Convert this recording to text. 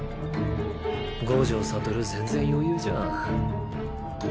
五条悟全然余裕じゃん。